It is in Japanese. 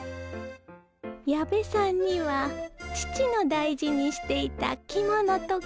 矢部さんには父の大事にしていた着物とか。